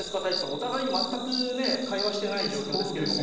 お互いに全くねえ会話してない状況ですけれども。